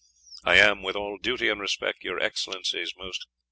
I am, with all duty and respect, your Excellency's most, &c.